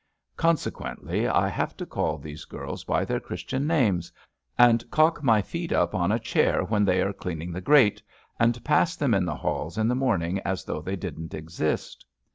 Consequently, I have to call these girls by their Christian names, and cock my feet up on a chair when they are cleaning the grate, and pass them in the halls in the morning as though they didn't exist.